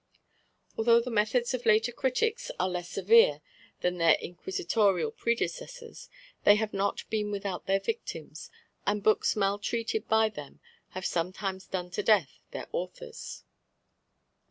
Although the methods of later critics are less severe than their inquisitorial predecessors, they have not been without their victims, and books maltreated by them have sometimes "done to death" their authors.